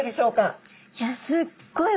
いやすっごい